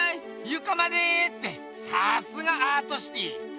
ゆかまでってさすがアートシティー！